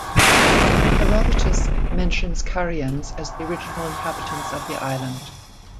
Herodotus mentions Carians as the original inhabitants of the island.